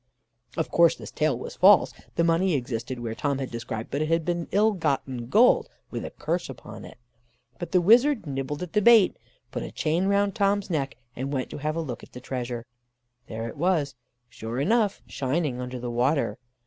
"Of course this tale was false. The money existed where Tom had described, but it had been ill gotten gold, with a curse upon it. But the wizard nibbled at the bait, put a chain round Tom's neck, and went to have a look at the treasure. There it was, sure enough, shining under the water.